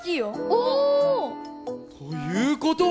お！ということは。